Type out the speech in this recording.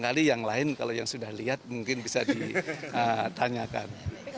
kali yang lain kalau yang sudah lihat mungkin bisa ditanyakan